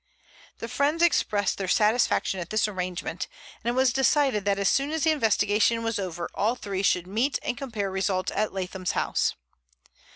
The friends expressed their satisfaction at this arrangement, and it was decided that as soon as the investigation was over all three should meet and compare results at Leatham's house.